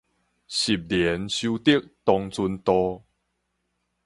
十年修得同船渡